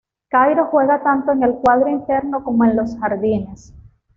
Cairo juega tanto en el cuadro interno como en los jardines.